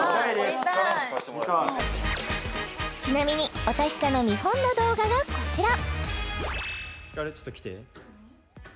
見たいちなみにおたひかの見本の動画がこちら！